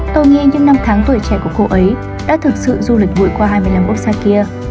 tôi nghĩ những năm tháng tuổi trẻ của cô ấy đã thực sự du lịch vui qua hai mươi năm quốc gia kia